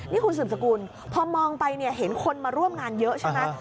นี่คุณสืบสกุลพอมองไปเนี่ยเห็นคนมาร่วมงานเยอะใช่ไหม